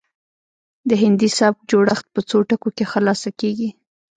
د هندي سبک جوړښت په څو ټکو کې خلاصه کیږي